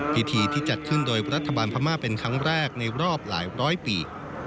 พิธีที่จัดขึ้นโดยรัฐบาลพม่าเป็นครั้งแรกในรอบหลายร้อยปี